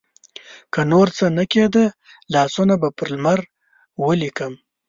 که نورڅه نه کیده، لاسونه به پر لمر ولیکم